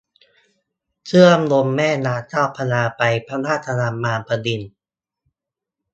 เชื่อมลงแม่น้ำเจ้าพระยาไปพระราชวังบางประอิน